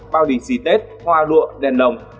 bao đỉnh xì tết hoa lụa đèn đồng